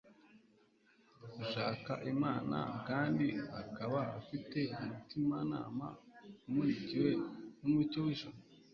ushaka Imana kandi akaba afite umutimanama umurikiwe n'umucyo w'ijuru.